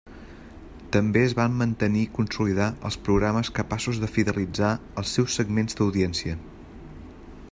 També es van mantenir i consolidar els programes capaços de fidelitzar els seus segments d’audiència.